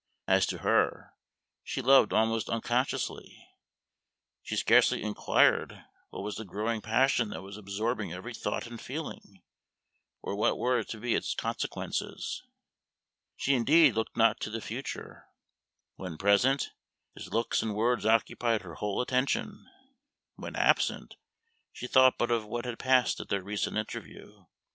As to her, she loved almost unconsciously; she scarcely inquired what was the growing passion that was absorbing every thought and feeling, or what were to be its consequences. She, indeed, looked not to the future. When present, his looks and words occupied her whole attention; when absent, she thought but of what had passed at their recent interview.